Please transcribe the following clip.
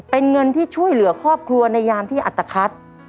เป็นเงินที่ช่วยเหลือครอบครัวในยามที่อัตภัท